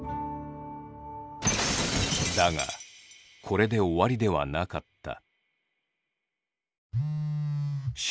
これで終わりではなかった。